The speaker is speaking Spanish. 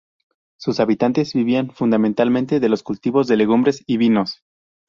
Sus habitantes vivían fundamentalmente de los cultivos de legumbres y vinos.